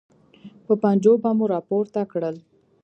په پنجو به مو راپورته کړل.